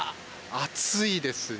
暑いですね。